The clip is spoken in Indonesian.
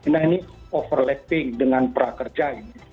nah ini overlapping dengan prakerja ini